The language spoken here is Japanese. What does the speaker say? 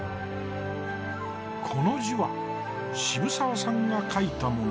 この字は渋沢さんが書いたもの。